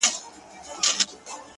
• گل وي ياران وي او سايه د غرمې،